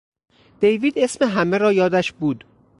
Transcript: دیوید اسم همه را یادش بود!